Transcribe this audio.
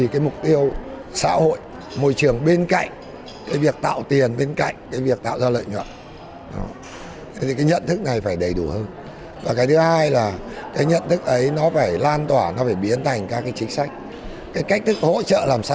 cái cách thức hỗ trợ làm sao cho nó thực chất nó không làm méo mò thị trường